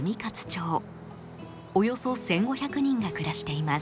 およそ１，５００人が暮らしています。